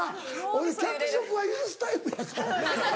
俺脚色は許すタイプやからな。